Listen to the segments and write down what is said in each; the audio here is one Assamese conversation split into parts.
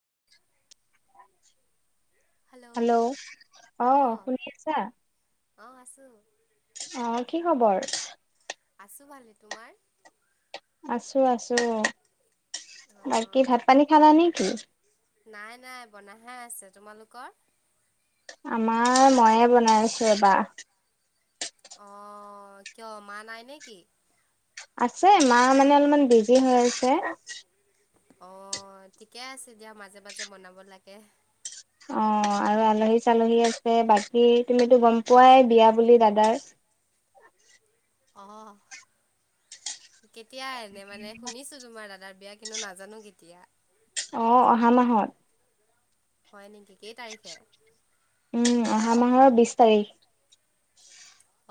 [inaudible] হেল্ল' অ' শুনি আছা? অ', আছো। অ', কি খবৰ? আছো ভালে, তোমাৰ? আছো আছো। অ', বাকী অঁ ভাত পানী খালা নে কি? খাই আছে, তোমালোকৰ? আমাৰ ময়ে বনাই আছো ৰবা। আহ কিয় মা নাই নে কি? আছে মা মানে অলপমান বিজি হৈ আছে। অ', ঠিকে আছে দিয়া মাজে মাজে বনাব লাগে। অ', আৰু আলহী চালহী আছে বাকী তুমিতো গম পোৱাই বিয়া বুলি দাদাৰ। [inaudible] অ', কেতিয়া এনে মানে শুনিছো তোমাৰ দাদাৰ বিয়া কিন্তু নাজানো কেতিয়া! অ', অহা মাহত। হয়, নেকি কেই তাৰিখে? উম, অহা মাহৰ বিশ তাৰিখ।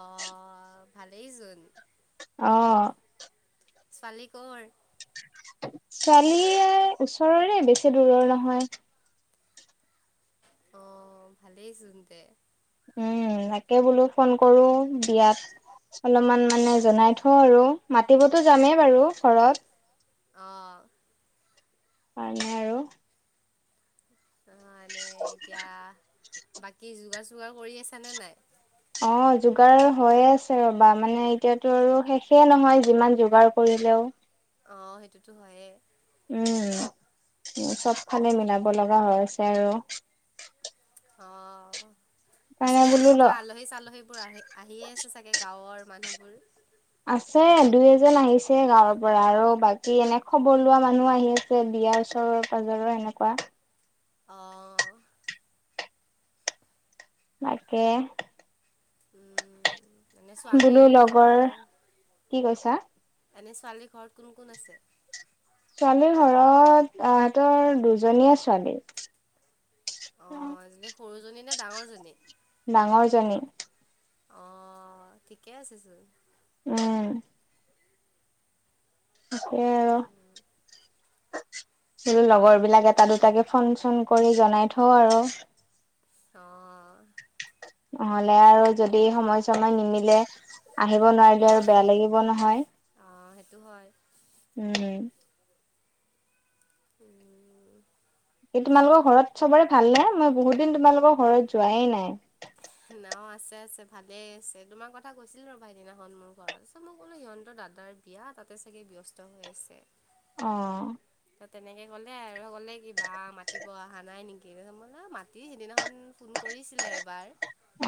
অ', ভালেই চোন। অ',। ছোৱালী ক'ৰ। ছোৱালীয়ে ওচৰৰে বেছি দূৰৰ নহয়। অ', ভালেই চোন তে উম, তাকে বোলো ফোন কৰো বিয়াত অলপমান মানে জনাই থওঁ আৰু মাতিবতো যামেই বাৰু ঘৰত অ',। কাৰণে আৰু অ', এনে এতিয়া বাকী যোগাৰ চোগাৰ কৰি আছ নে নাই। অ', যোগাৰ হৈয়ে আছে ৰবা মানে এতিয়াতো আৰু শেষে নহয় যিমান যোগাৰ কৰি হেল্ল'। অ', সেইটোতো হয়ে। উম উ চবফালে মিলাব লগা হৈ আছে আৰু। অ', আছে সেইকাৰণে চাগে বোলো ল এতিয়া আলহী চালহী বোৰ আহ আহিয়ে আছে চাগে গাঁৱৰ। মানুহবোৰ। আছে দুই এজন আহিছে গাঁৱৰ পৰা আৰু বাকী এনে খবৰ লোৱা মানুহ আহি আছে বিয়াৰ ওচৰৰ পাজৰৰ এনেকুৱা অ',। তাকে। উম। এনে বোলো ছোৱালীৰ ঘৰ লগৰ কি কৈছা। এনে ছোৱালীৰ ঘৰত কোন কোন আছে? ছোৱালীৰ ঘৰত আহহঁতৰ দুজনীয়ে ছোৱালী। অ', এজনী সৰু জনী নে ডাঙৰ জনী। ডাঙৰ জনী। অ', ঠিকে আছে চো। উম। সেই আৰু। বলো লগৰ বিলাক এটা দুটাকে ফোন চোন কৰি জনাই থওঁ আৰু। অ'। নহলে আৰু যদি সময় চময় নিমিলে আহিব অ নোৱাৰিলে আৰু বেয়া লাগিব নহয়। অ সেইটো হয়। উম। [unintelligible] তোমালোকৰ ঘৰত চবৰে ভাল নে মই বহুত দিন তোমালোকৰ ঘৰত যোৱাই নাই। ন আছে আছে ভালেই আছে তোমাৰ কথা কৈছিল ৰবা সেইদিনাখন মোৰ ঘৰত মই ক'লো সিহঁত দাদাৰ বিয়া তাতে চাগে ব্যস্ত হৈ আছে। অ'। ত' তেনেকে ক'লে আৰু ক'লে কিবা মাতি অহা নাই নেকি মাতি সিদিনাখন ফোন কৰিছিলে এবাৰ।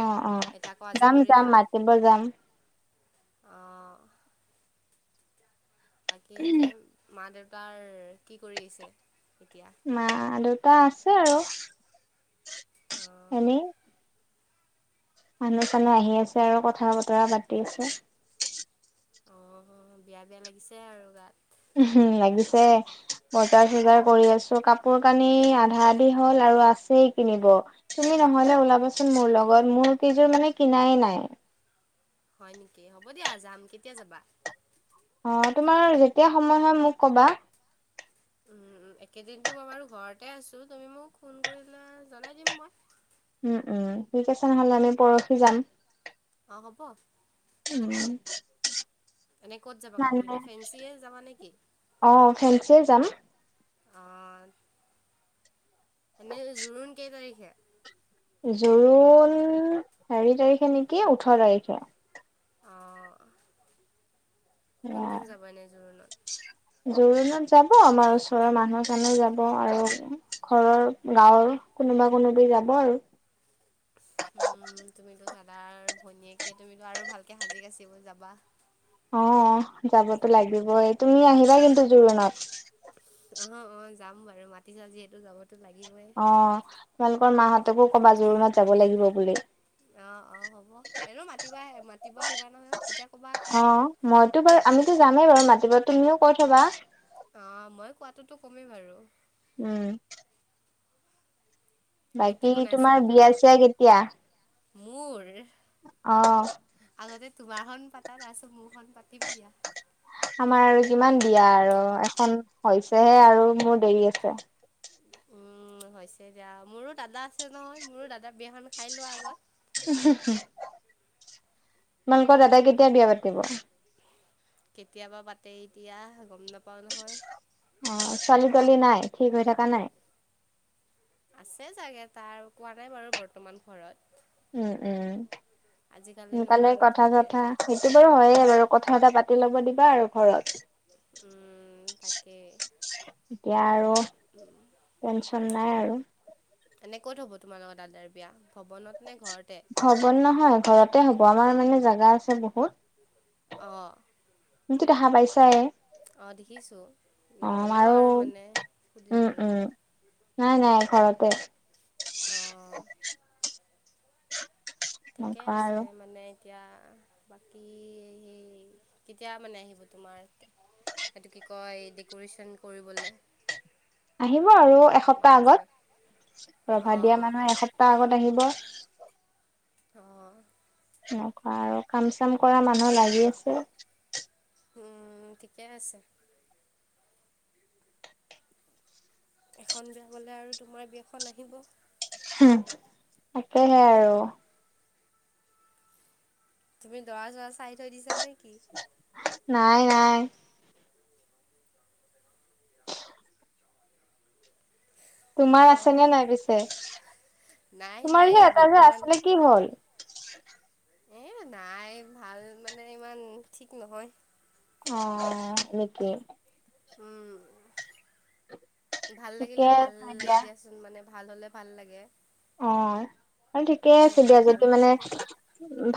অ', অ', এতিয়া আকৌ যাম, যাম মাতিব যাম। অহ। বাকী এনে মা দেউতাৰ কি কৰি আছে এতিয়া মা দেউতা আছে আৰু অঁ এনেই মানুহ চানুহ আহি আছে আৰু কথা বতৰা পাতি আছে। অ', বিয়া বিয়া লাগিছে আৰু গাত। উম লাগিছে বজাৰ চজাৰ কৰি আছোঁ কাপোৰ কানি আধা আধি হল আৰু। আৰু আছে কিনিব তুমি নহ'লে ওলাবাচোন মোৰ লগত মোৰ কেইযোৰ মানে কিনাই নাই। হয় নেকি, হ'ব দিয়া যাম, কেতিয়া যাবা? অ তোমাৰ যেতিয়া সময় হয় মোক কবা। উ একেদিনো মই বাৰু ঘৰতে আছো, তুমি মোক ফোন কৰিলা জনাই দিম মই। উম উম ঠিক আছে নহ'লে আমি পৰখি যাম। অ হ'ব। উম। এনেই ক'ত যাবা কাপোৰ মানে কিনিব ফেঞ্চিয়ে যাবা নেকি অ ফেঞ্চি যাম। অ এনেই জোৰণ কেই তাৰিখে? জোৰণ হেৰি তাৰিখে নেকি ওঠৰ তাৰিখে। অঁ কোন কোন যাব এনে জোৰোণত? অ জোৰোণত যাব আমাৰ ওচৰৰ মানুহ-চানুহ যাব আৰু ঘৰৰ গাঁৱৰ কোনোবা কোনোবি যাব আৰু। তাৰ ভনীয়েকে তুমিতো আৰু ভালকে সাজি-কাছি যাবা। অ যাবতো লাগিবই। তুমি আহিবা কিন্তু। জোৰনাত। অহ অহ যাম বাৰু মাটিচা যিহেতু যাব অ তোমালোকৰ মাহঁতকো ক'বা জোৰোণাত যাব লাগিব বুলি। অ অ হ'ব এনেও মাতিব আহ মাতিব আহিবা নহয় তেতিয়া কবা আকৌ। হয়তো বাৰু আমিতো যামেই বাৰু মাতিব তুমিও কৈ থবা। অ মই কোৱাটোতো কমেই বাৰু। উম। এনে কি বাকী বনাইছা তোমাৰ ভাতৰ লগত? বিয়া-চিয়া কেতিয়া? মোৰ অহ। আগতে তোমাৰখন পাতা তাৰপিছত মোৰখন পাতিম দিয়া। আমাৰ আৰু কিমান বিয়া আৰু এখন হৈছেহে আৰু মোৰ দেৰি আছে। উম হৈছে এ দিয়া। মোৰো দাদা আছে নহয় মোৰো দাদা বিয়াখন খাই লোৱা আগত। তোমালোকৰ দাদাই কেতিয়া বিয়া পাতিব? কেতিয়াবা পাতে এতিয়া গম নাপাও নহয়। অ ছোৱালী-থৱালী নাই, ঠিক হৈ থাকা নাই? আছে চাগে তাৰ কোৱা নাই বাৰু বৰ্তমান ঘৰত। উম উম। আজিকালিনো সোনকালে কাৰ নাথাকে কথা-চথা সেইটো বাৰু হয় বাৰু, কথা-চথা পাতি ল'ব দিবা আৰু ঘৰত। [inaudible] উ তাকে। এতিয়া আৰু টেনচন নাই আৰু। এনে ক'ত হব তোমাৰ লগত দাদাৰ বিয়া? ভৱনত নে ঘৰতে ভবন নহয় ঘৰতে হ'ব আমাৰ মানে জোগা আছে বহুত। অ। তুমিতো দেখা পাইছাই। অ দেখিছো নহ'লেও আৰু মানে উম সুধিলো আৰু। উম নাই নাই ঘৰতে। অঁ ঠিকে এনেকুৱা আছে আৰু মানে এতিয়া বাকী সেই কেতিয়া মানে আহিব তোমাৰে এইটো কি কয় ডেক'ৰেচন কৰিবলে। আহিব আৰু এসপ্তাহ আগত। ৰভা দিয়া অঁ মানুহ এসপ্তাহ আগত আহিব। অ। এনেকুৱা আৰু কাম-চাম কৰা মানুহ লাগি আছে। উম, ঠিকে আছে। এখন বিয়া বলে আৰু তোমাৰ বিয়াখন আহিব। তাকেহে আৰু। তুমি দৰা, চৰা, চাই থৈ দিছা নেকি। নাই, নাই। তোমাৰ আছে অ' নে নাই পিছে। নাই তোমাৰ নাই ই এটা যে বৰ্তমান আছিলে কি হ'ল? এ, নাই ভাল মানে ইমান ঠিক নহয়। অ, সেইটোৱে। উম, ভাল ঠিকে লাগিলে, ভাল আছে লাগে দিয়া দিয়াচোন মানে। ভাল হলে, ভাল লাগে। অ, আৰু ঠিকেই এতিয়া আছে। দিয়া ভাল যদি মানে নহয় এ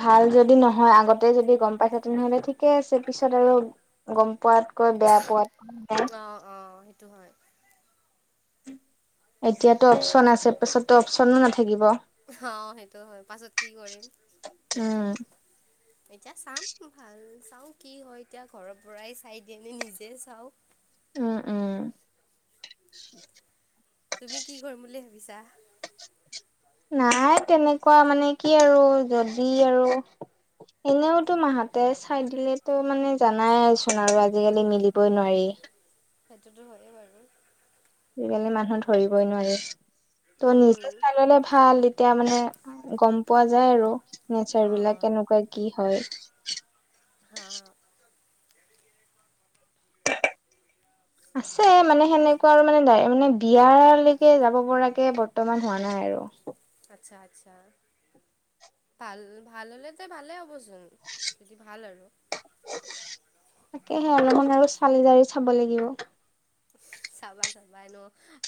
ভাল যদি যদি নহয়, আগতে যদি গম পাই থ, তেনেহ'লে ঠিকে আছে, পিছত আৰু গম পোৱাতকৈ বেয়া পোৱাতকৈ টো, হয়য়। এতিয়াতো অপচন আছে, পিছতো অপচনো নাথাকে। অ, সেইটো হয়, পাছত কি কৰিম উম। সেইটোৱে। এতিয়া চাম ভাল চাওঁ কি হয়, এতিয়া ঘৰৰ পৰাই চাই দিয়েনে নিজে চাওঁ। উ, উম। তুমি কি কৰিম বুলি ভাবিছা। নাই তেনেকুৱা মানে কি আৰু যদি আৰু এনেওতো মাহঁতে চাই দিলেতো মানে জানাইচোন আৰু আজিকালি মিলিবই নোৱাৰি। সেইটোতো হয়ে বাৰু। আজিকালি মানুহ ধৰিবই নোৱাৰি ত' নিজে উম। চাই ললে ভাল এতিয়া মানে। গম পোৱা যায় আৰু নেচাৰ অঁ বিলাক অঁ কেনেকুৱা কি হয়। [inaudible] [inaudible] আছে মানে সেনেকুৱা আৰু মানে, মানে বিয়ালৈকে যাব পৰাকে বৰ্তমান হোৱা নাই আৰু। আচ্ছা, আচ্ছা। ভাল, ভাল হ'লে তে ভালে হ'বচোন যদি ভাল আৰু। তাকেহে অলপমান আৰু চালি, জাৰি চাব লাগিব। চাবা, চাবা এনো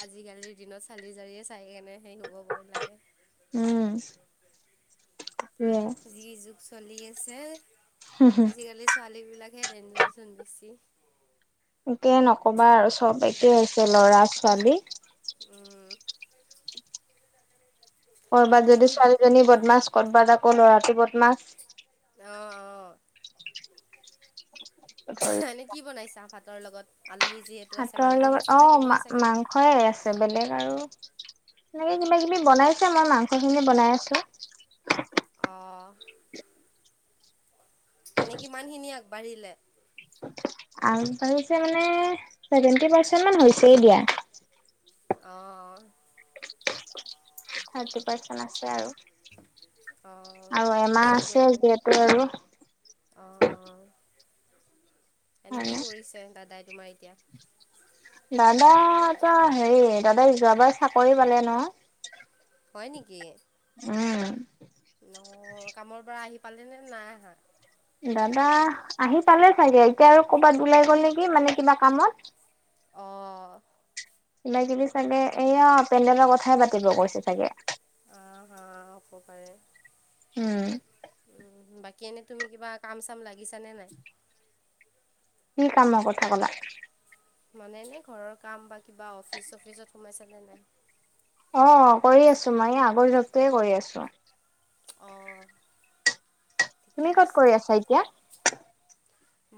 আজিকালিৰ দিনত চালি জাৰিয়ে চাই কেনে সেই হ'ব ব, লাগে। উম। সেইটোৱে। যি, যু, চি আছে, আজিকাললে, ছোৱালী [inaudible] দেন যোৱাচোন বেছি। একো নকবা আৰু চ'ব একে হৈছে ল'ৰা, ছোৱালী। উম। কৰ'ৰবাত মানে যদি কি ছোৱালীজনী বদমাছ কৰ'বাত আকৌ ল'ৰাট বদমাছ। অঁ অঁ ধৰি এনে কি বনাইছা ভাতৰ লগত? আলহী যিহেতু আছে হাতৰ মাংস লগত মাছটো অ, মা, থাকিবই চাগে মাংসই আছে বেলেগ আৰু এনেকে কিবা, কিবি বনাইছে মই মাংস খিনি বনাই আছো। অ'। এনে কিমান খিনি আগবাঢ়িলে। [inaudible] আ, পাৰিছে মানে চেভেন্টি পাৰ্চেন্ট মান হৈছেই দিয়া। অ'। থাৰ্টি পাৰ্চেণ্ট আছে আৰু। অঁ আৰু কি এমাহ আছে যিহেতু আৰু। অ', অ', এনেই হয় ন কি কৰিছে দাদাই তোমাৰ এতিয়া? দাদা ত হেৰি দাদা যোৱাবাৰ চাকৰি পালে নহ। হয় নেকি? উম অ', কামৰ পৰা আহি পালি নে নাই আহা? দাদা আহি পালে চাগে, এতিয়া আৰু কৰ'বাত ওলাই গ'ল নেকি মানে কিবা কামত অ কিবা কিবি চাগে এয়া পেণ্ডেলৰ কথাই পাতিব কৈছে চাগে উপকাৰে উম, কেনে তুমি কিবা কাম চাম লাগিছ নে নাই? কি কাম কথা কলা? মানে নে ঘৰৰ কাম বা কিবা অফিচ চফিচত সোমাই চালে নাই? অ', কৰি আছো মই আগৰ জপটোৱে কৰি আছো অ', তুমি কত কৰি আছা এতিয়া?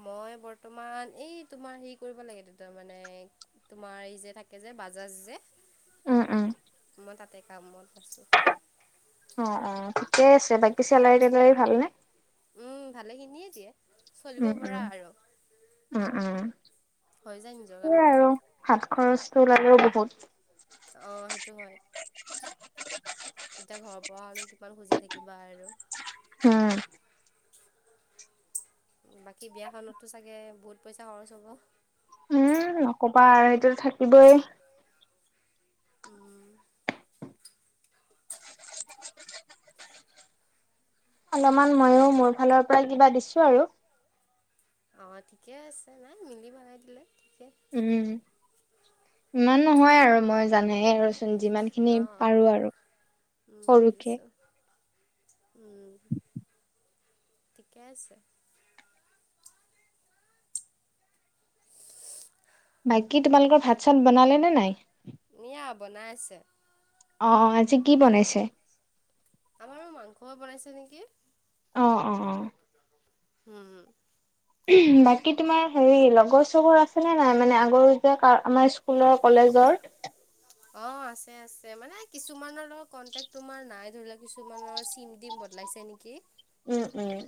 মই বৰ্তমান এই তোমাৰ হেৰি কৰিব লাগে তাৰ মানে, তোমাৰ এই যে থাকে যে যে বাজাজ যে উম, উম, মই তাতে কামত আছো অ', ঠিকেই আছে, বাকী চেলাৰী টেলাৰী ভালনে? উম, ভালেখিনিয়ে দিয়ে চলিব উম পৰা উম আৰু উম, উম, হৈ যায় নিজৰ সেয়া কাৰণে আৰু হাত খৰচ [unintelligible] আহ সেইটো হয় এতিয়া ঘৰৰ পৰা কিমান খুজি থাকিবা আৰু হম, [inaudible] বাকী বিয়াখনতো চাগে বহুত পইচা খৰচ হ'ব? উম নকবা আৰু সেইটো থাকিবই উম, অলপমান ময়ো মোৰ ফালৰ পৰা কিবা দিছো আৰু। অ', ঠিকে আছে, নাই মিলি [inaudible] দিলে ঠিকে উম, ইমান নহয় আৰু মই জানেই আৰু মই যিমান খিনি অঁ পাৰো অঁ আৰু উম সৰুকে বুজিছোঁ উম, ঠিকে আছে। বাকী, তোমালোকৰ ভাত- চাত বনালে নে নাই? [inaudible] বনাই আছে। আহ, আজি কি বনাইছে? আমাৰো মাংস বনাইছে নেকি? অ - অ - অ হম- হম, বাকী, তোমাৰ হেৰি লগৰ - চগৰ আছে নে নাই? মানে আগৰ যে আমাৰ স্কুলৰ কলেজ জৰ অ, ' আছে - আছে। মানে কিছুমানৰ লগত কন্টেক তোমাৰ নাই ধৰি লোৱা কিছুমানৰ চিম - তিম ব বদলাইছে নেকি? উম, উম,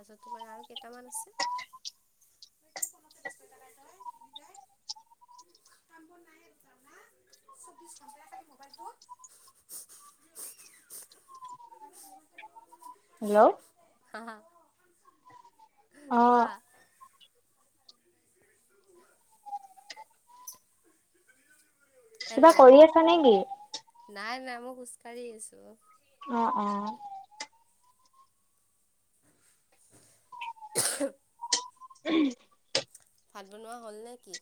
তাৰপাছত, তোমাৰ আৰু কেইটামান আছে। [unintelligible] [unintelligible] [inaudible] হেল্ল' হা হা কোৱা অ', কিবা কৰি হেল্ল' আছা নে কি? নাই নাই মই খোজ কাঢ়ি আছো। অ', অ, ' [unintelligible] [unintelligible] ভাত বনোৱা হ'ল নে কি?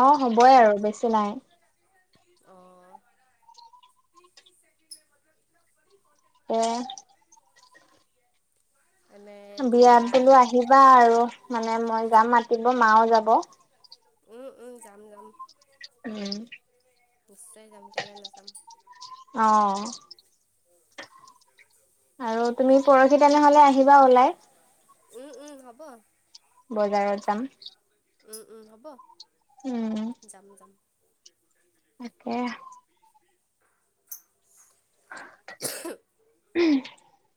অ, হ'বই আৰু, বেছি নাই। অ, তে এনে বিয়াত তোমাৰ বোলো আহিবা আৰু, মানে মই যাম মাতিব মাওঁ যাব। উম, উম, যাম, যাম। উম, নিশ্চয় যাম, কেলে নাযাম। অ আৰু তুমি পৰহি তেনেহ'লে আহিবা ওলাই? উম, উম হ'ব। বজাৰত যাম। উম, উম হ'ব। উম, যাম, যাম। তাকে। [unintelligible]